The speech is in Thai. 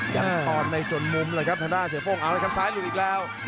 ยังตอบในจนมุมเลยครับธนาภาษาเสียโภงเอาเลยครับสายหลุดอีกแล้ว